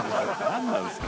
何なんですか。